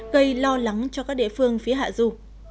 gây lo lắng cho các địa phương phía hạ du